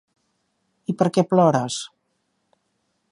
I per què plores?